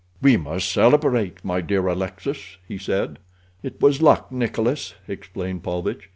"We must celebrate, my dear Alexis," he said. "It was luck, Nikolas," explained Paulvitch.